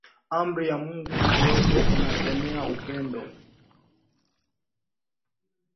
Amri ya Mungu yote inasemea upendo